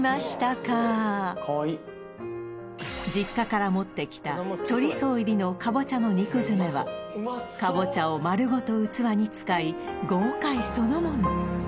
かわいい実家から持ってきたチョリソー入りのかぼちゃの肉詰めはかぼちゃを丸ごと器に使い豪快そのもの